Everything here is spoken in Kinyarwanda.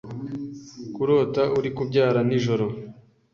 Kurota uri kubyara nijoro.